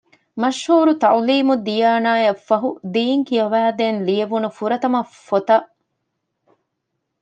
މަޝްހޫރު ތަޢުލީމުއްދިޔާނާ އަށްފަހު ދީން ކިޔަވައިދޭން ލިޔެވުނު ފުރަތަމަ ފޮތަށް